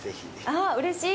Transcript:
あ、うれしい！